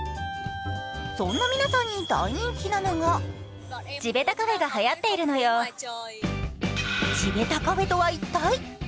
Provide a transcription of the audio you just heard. そんな皆さんに大人気なのが地べたカフェとは一体？